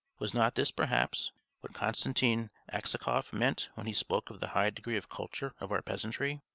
Was not this, perhaps, what Konstantin Aksakov meant when he spoke of the high degree of culture of our peasantry?